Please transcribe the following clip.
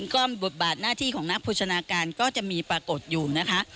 ก็บทบาทหน้าที่ของนักโภชนาการก็จะมีปรากฏอยู่นะคะ